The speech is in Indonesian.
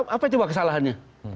apa coba kesalahannya